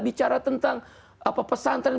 bicara tentang pesantren